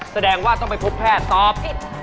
แสดงว่าต้องไปพบแพทย์ตอบผิด